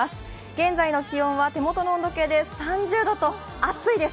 現在の気温は手元の温度計で３０度と、暑いです。